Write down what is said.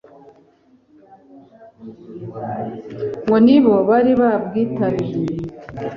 ngo ni bo bari babwitabiriye